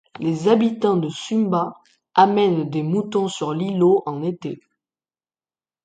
Les habitants de Sumba amènent des moutons sur l'îlot en été.